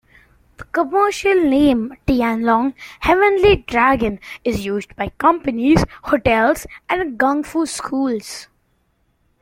The commercial name Tianlong "Heavenly Dragon" is used by companies, hotels, and gungfu schools.